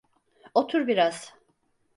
Otur biraz.